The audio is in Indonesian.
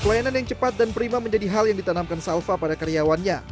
pelayanan yang cepat dan prima menjadi hal yang ditanamkan salva pada karyawannya